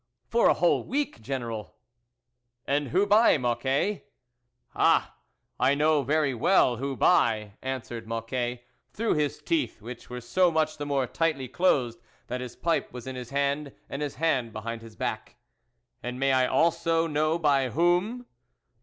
" For a whole week, General." " And who by, Mocquet ?"" Ah ! I know very well who by," answered Mocquet, through his teeth, which were so much the more tightly closed that his pipe was in his hand, and his hand behind his back. " And may I also know by whom